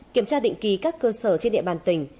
kiểm tra định kỳ các cơ sở trên địa bàn tỉnh